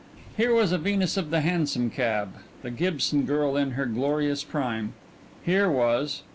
Here was a Venus of the hansom cab, the Gibson girl in her glorious prime. Here was...